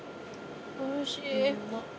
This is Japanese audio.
おいしい。